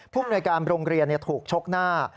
พวกในการรงเรียนถูกชกหน้า